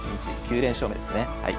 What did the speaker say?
９連勝目ですね。